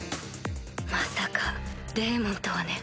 まさかデーモンとはね。